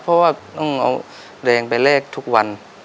เพราะว่าต้องเอาแดงไปแลกทุกวัน